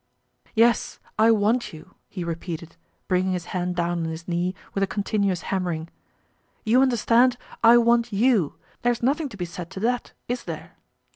"Yes, I want you," he repeated, bringing his hand down on his knee with a continuos hammering. "You understand, I want you. There's nothing to be said to that, is there?"